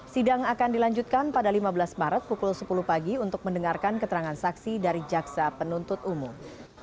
sidang akan dilanjutkan pada lima belas maret pukul sepuluh pagi untuk mendengarkan keterangan saksi dari jaksa penuntut umum